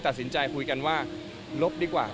ตัดสินใจคุยกันว่าลบดีกว่า